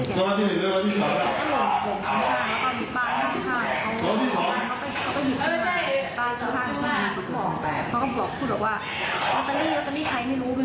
ก็คิดว่าเกิดอะไรขึ้น